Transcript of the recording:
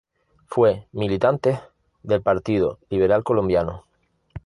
Fue militantes del Partido Liberal Colombiano.